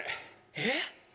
えっ？